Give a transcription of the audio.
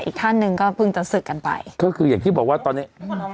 อีกท่านหนึ่งก็พึ่งจะศึกกันไป